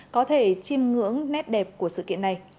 có thể chiêm ngưỡng nét đẹp của sự kiện này